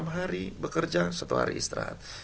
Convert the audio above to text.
enam hari bekerja satu hari istirahat